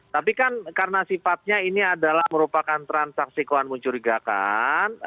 tapi kan karena sifatnya ini adalah merupakan transaksi keuangan mencurigakan